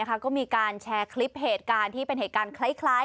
ก็มีการแชร์คลิปเหตุการณ์ที่เป็นเหตุการณ์คล้าย